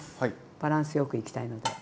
バランスよくいきたいので。